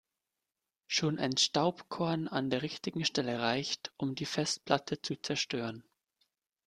Schon ein Staubkorn an der richtigen Stelle reicht, um die Festplatte zu zerstören.